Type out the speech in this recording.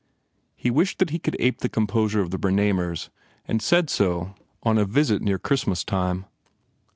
He wished that he could ape the composure of the Bernamers and said so on a visit near Christmas time.